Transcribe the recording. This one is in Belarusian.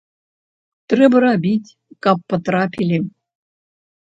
Трэба рабіць, каб патрапілі.